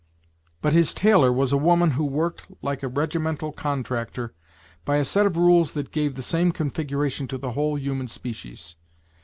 But his tailor was a woman who worked, like a regimental contractor, by a set of rules that gave the same configuration to the whole human species.